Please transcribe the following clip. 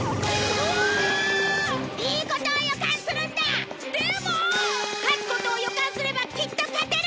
勝つことを予感すればきっと勝てる！